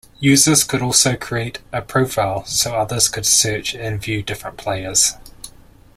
Users could also create a profile, so others could search and view different players.